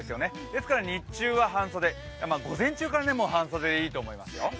ですから日中は半袖午前中から半袖でいいと思いますよ。